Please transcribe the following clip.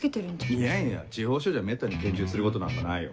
いやいや地方署じゃめったに拳銃つることなんかないよ。